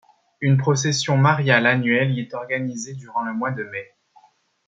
Une procession mariale annuelle y est organisée durant le mois de mai.